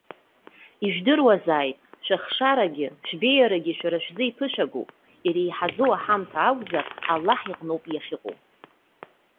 Ижәдыруазааит, шәыхшарагьы, шәбеиарагьы шәара шәзы иԥышәагоуп. Иреиҳаӡоу аҳамҭа акәзар, Аллаҳ иҟнауп иахьыҟоу.